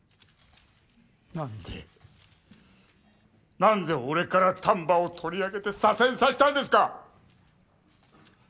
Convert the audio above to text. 何で何で俺から丹波を取り上げて左遷させたんですか？